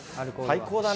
最高だね。